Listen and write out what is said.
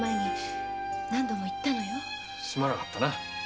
すまなかったな。